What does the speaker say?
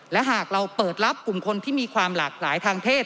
และหากเราเปิดรับกลุ่มคนที่มีความหลากหลายทางเพศ